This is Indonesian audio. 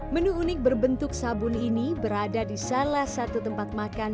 menu unik berbentuk sabun ini berada di salah satu tempat makan